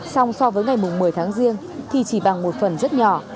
xong so với ngày một mươi tháng riêng thì chỉ bằng một phần rất nhỏ